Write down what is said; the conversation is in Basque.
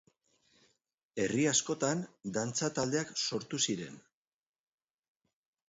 Herri askotan dantza taldeak sortu ziren.